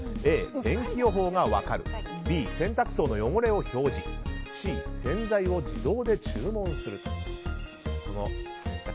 Ａ、天気予報の機能が搭載Ｂ、洗濯槽の汚れが表示されるＣ、洗剤を自動で注文する。